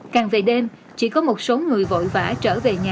càng về đêm chỉ có một số người vội vã trở về nhà